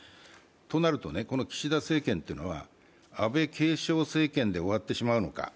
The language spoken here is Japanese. となると岸田政権というのは安倍継承政権で終わってしまうのか